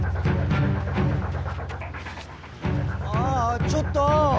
⁉ああちょっとぉ！